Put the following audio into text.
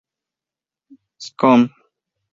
F. Cn.